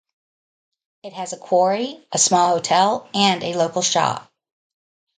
It has a quarry, a small hotel, and a local shop.